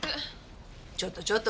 ちょっとちょっと。